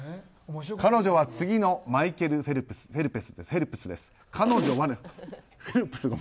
彼女は次のマイケル・フェルプスです。